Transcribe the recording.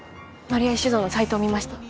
丸谷酒造のサイトを見ました。